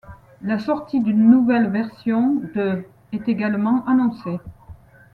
La sortie d'une nouvelle version de ' est également annoncée.